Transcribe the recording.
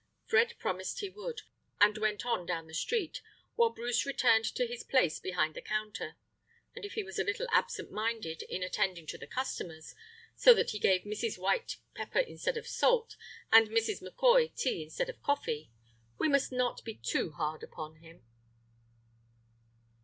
Fred promised he would, and went on down the street, while Bruce returned to his place behind the counter; and if he was a little absent minded in attending to the customers, so that he gave Mrs. White pepper instead of salt, and Mrs. M'Coy tea instead of coffee, we must not be too hard upon him.